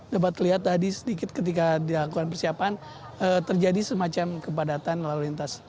jadi sedikit ketika dilakukan persiapan terjadi semacam kepadatan lalu lintas